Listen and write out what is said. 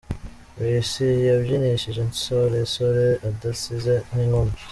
Ray C yabyinishije insoresore adasize n’inkumi.